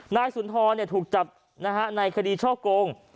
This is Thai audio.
นายสุนทรถูกจับในคดีช่อโกง